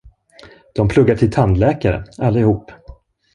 Dom pluggar till tandläkare, allihop.